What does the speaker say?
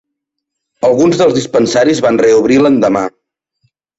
Alguns dels dispensaris van reobrir l'endemà.